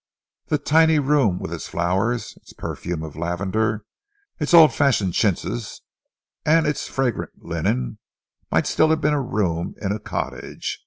The tiny room with its flowers, its perfume of lavender, its old fashioned chintzes, and its fragrant linen, might still have been a room in a cottage.